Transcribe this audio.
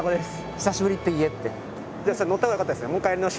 「『久しぶり』って言え」って。